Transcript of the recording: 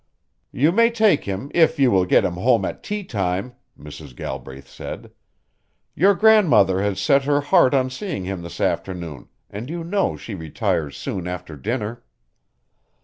"You may take him if you will get him home at tea time," Mrs. Galbraith said. "Your grandmother has set her heart on seeing him this afternoon and you know she retires soon after dinner."